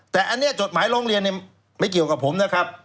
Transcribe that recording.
แต่อันนี้จดหมายร้องเรียนไม่เกี่ยวกับผมนะครับ